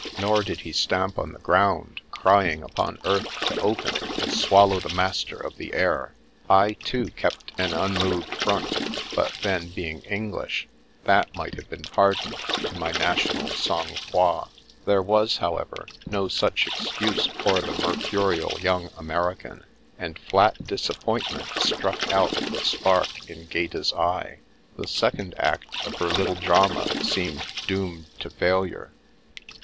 Nor did he stamp on the ground, crying upon earth to open and swallow the master of the air. I, too, kept an unmoved front; but then, being English, that might have been pardoned to my national sang froid. There was, however, no such excuse for the mercurial young American, and flat disappointment struck out the spark in Gaeta's eye. The second act of her little drama seemed doomed to failure.